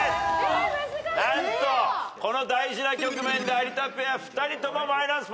何とこの大事な局面で有田ペア２人ともマイナスポイント。